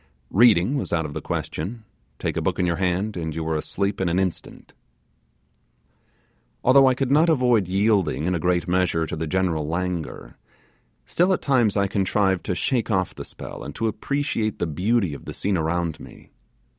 Reading was out of the question; take a book in your hand, and you were asleep in an instant. Although I could not avoid yielding in a great measure to the general languor, still at times I contrived to shake off the spell, and to appreciate the beauty of the scene around me.